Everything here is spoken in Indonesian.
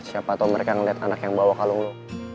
siapa tau mereka ngeliat anak yang bawa kalung lu